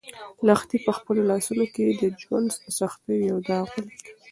لښتې په خپلو لاسو کې د ژوند د سختیو یو داغ ولید.